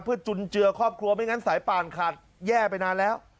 เพื่อจุนเจือครอบครัวไม่งั้นสายป่านขาดแย่ไปนานแล้ว